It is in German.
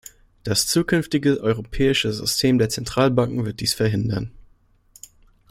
Das zukünftige Europäische System der Zentralbanken wird dies verhindern.